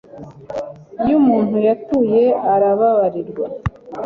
Iyo umuntu yatuye arababarirwa,